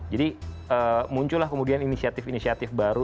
jadi muncullah kemudian inisiatif inisiatif baru